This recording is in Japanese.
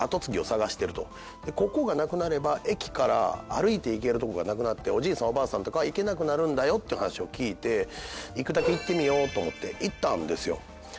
ここがなくなれば駅から歩いていけるとこがなくなっておじいさんおばあさんとかは行けなくなるよって話を聞いて行くだけ行ってみようと思って行ったんですよ。